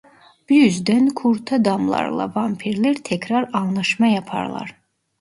Bu yüzden kurtadamlarla vampirler tekrar anlaşma yaparlar.